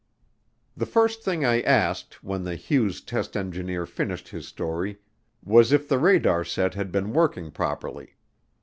The first thing I asked when the Hughes test engineer finished his story was if the radar set had been working properly.